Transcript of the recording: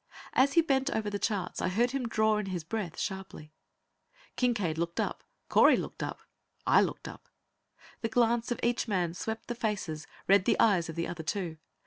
As he bent over the charts, I heard him draw in his breath sharply. Kincaide looked up. Correy looked up. I looked up. The glance of each man swept the faces, read the eyes, of the other two.